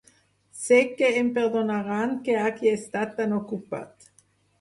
Sé que em perdonaran que hagi estat tan ocupat.